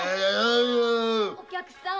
お客さん